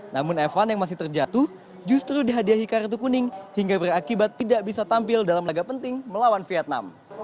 namun evan yang masih terjatuh justru dihadiahi kartu kuning hingga berakibat tidak bisa tampil dalam laga penting melawan vietnam